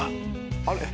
あれ？